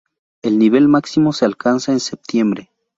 El nivel máximo se alcanza en septiembre.